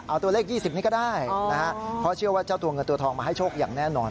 เอาตัวเลข๒๐นี้ก็ได้นะฮะเพราะเชื่อว่าเจ้าตัวเงินตัวทองมาให้โชคอย่างแน่นอน